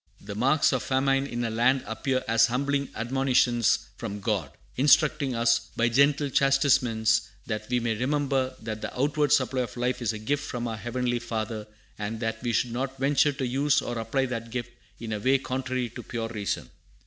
"The marks of famine in a land appear as humbling admonitions from God, instructing us by gentle chastisements, that we may remember that the outward supply of life is a gift from our Heavenly Father, and that we should not venture to use or apply that gift in a way contrary to pure reason."